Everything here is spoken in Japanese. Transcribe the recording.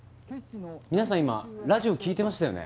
皆さん今ラジオ聴いてましたよね？